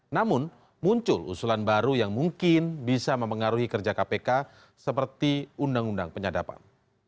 namun muncul usulan baru yang mungkin bisa mempengaruhi kerja kpk seperti undang undang penyadapan